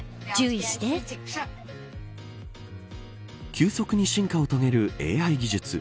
急速に進化を遂げるＡＩ技術。